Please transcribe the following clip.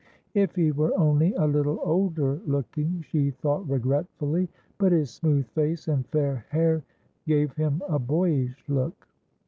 "If he were only a little older looking," she thought, regretfully, but his smooth face and fair hair gave him a boyish look.